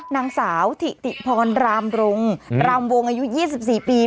นางสาวถิติพรรณรามรงค์รามวงอายุยี่สิบสี่ปี